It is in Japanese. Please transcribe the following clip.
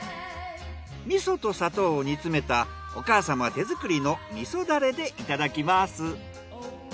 味噌と砂糖を煮詰めたお母様手作りの味噌ダレでいただきます。